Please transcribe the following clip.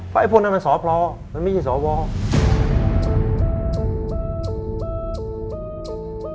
แต่พวกนั้นมันสอบพลอมันไม่ใช่สอบว่า